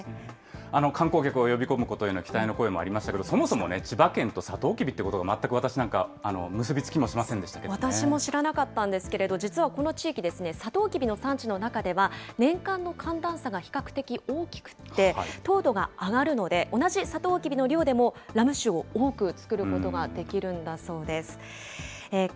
観光客を呼び込むことへの期待の声もありましたけれども、そもそも千葉県とサトウキビということが全く私なんか結び付きもし私も知らなかったんですけれども、実はこの地域、サトウキビの産地の中では、年間の寒暖差が比較的大きくて、糖度が上がるなど、同じサトウキビの量でもラム酒を多く造ることができるんだそうです。